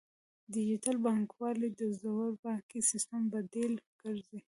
ډیجیټل بانکوالي د زوړ بانکي سیستم بدیل ګرځي.